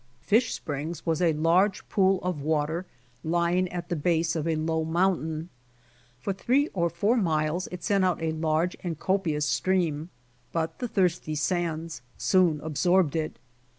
Fish springs was a large pool of water lying at the base of a low mountain. For three or four miles it sent out a large and copious stream, but the thirsty sands soon absorbed it.